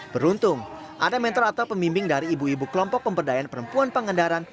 beruntung ada mentor atau pemimbing dari ibu ibu kelompok pemberdayaan perempuan pangandaran